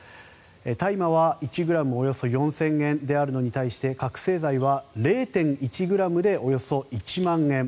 大麻は１ｇおよそ４０００円であるのに対して覚醒剤は０．１ｇでおよそ１万円。